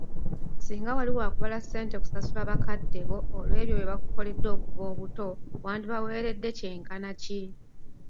Singa wali wakubala ssente kusasula bakadde bo, olwebyo bye bakukoledde okuva obuto, wandibaweeredde ky'enkana ki ?